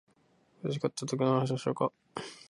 苦しかったときの話をしようか